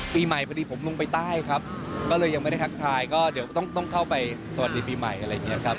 ปีใหม่พอดีผมลงไปใต้ครับก็เลยยังไม่ได้ทักทายก็เดี๋ยวต้องเข้าไปสวัสดีปีใหม่อะไรอย่างนี้ครับ